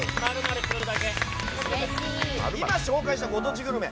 今紹介したご当地グルメ